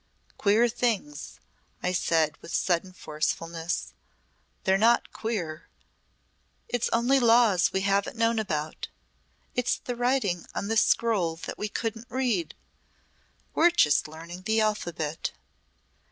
'Queer things,' I said," with sudden forcefulness. "They're not queer. It's only laws we haven't known about. It's the writing on the scroll that we couldn't read. We're just learning the alphabet."